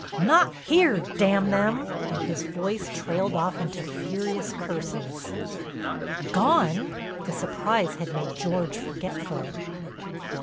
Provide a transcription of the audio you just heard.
"Not here—d——n them!" and his voice trailed off into furious curses. "Gone?" The surprise had made George forgetful.